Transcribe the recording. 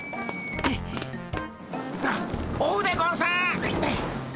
あっ追うでゴンス！